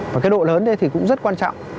và cái độ lớn đây thì cũng rất quan trọng